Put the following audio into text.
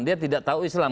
dia tidak tahu islam